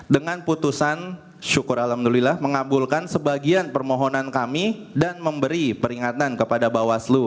dengan putusan syukur alhamdulillah mengabulkan sebagian permohonan kami dan memberi peringatan kepada bawaslu